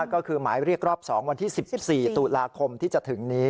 ก็คือหมายเรียกรอบ๒วันที่๑๔ตุลาคมที่จะถึงนี้